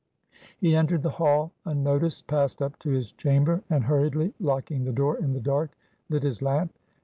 He entered the hall unnoticed, passed up to his chamber, and hurriedly locking the door in the dark, lit his lamp.